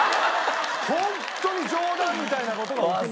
ホントに冗談みたいな事が起きました。